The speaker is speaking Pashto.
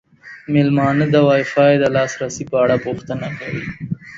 میلمانه د وای فای د لاسرسي په اړه پوښتنه کوي.